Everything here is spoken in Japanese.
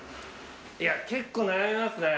いや結構悩みますね。